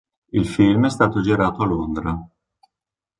Il film è stato girato a Londra.